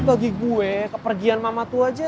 bagi gue kepergian mama tu aja